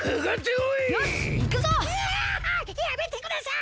やめてください！